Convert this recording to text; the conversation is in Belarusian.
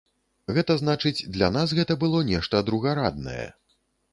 Гэта значыць, для нас гэта было нешта другараднае.